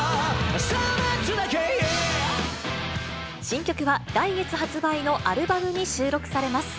新曲は来月発売のアルバムに収録されます。